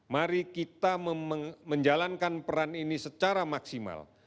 mari kita menjalankan peran ini secara maksimal